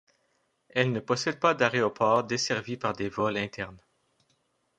Elle ne possède pas d'aéroport desservi par des vols internes.